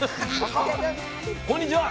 こんにちは。